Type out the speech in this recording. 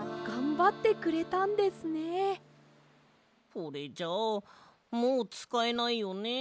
これじゃあもうつかえないよね？